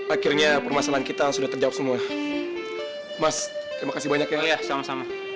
akhirnya permasalahan kita sudah terjawab semua mas terima kasih banyak ya sama sama